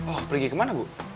oh pergi kemana bu